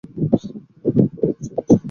এরপরেও আরও একমাস ছানারা মা-বাবার সাথে থাকে।